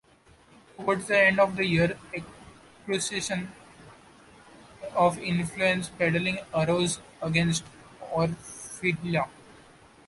Towards the end of the year, accusations of influence peddling arose against Orfila.